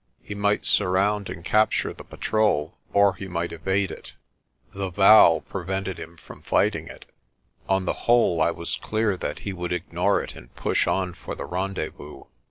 He might surround and capture the patrol or he might evade it; the vow pre vented him from fighting it. On the whole I was clear that he would ignore it and push on for the rendezvous.